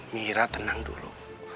mira tenang dulu